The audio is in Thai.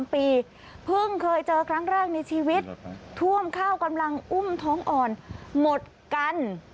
เพิ่งเคยเจอครั้งแรกในชีวิตท่วมข้าวกำลังอุ้มท้องอ่อนหมดกัน